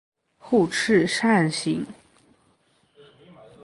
后翅扇形。